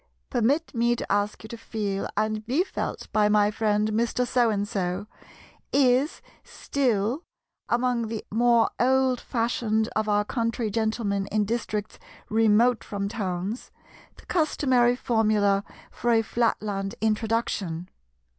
"Permit me to ask you to feel and be felt by my friend Mr. So and so"—is still, among the more old fashioned of our country gentlemen in districts remote from towns, the customary formula for a Flatland introduction.